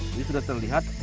ini sudah terlihat